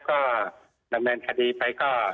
ก็ดำเนินคดีไปก็